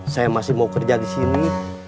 saya masih mau kerja di sini